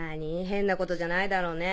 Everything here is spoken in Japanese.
変なことじゃないだろうね？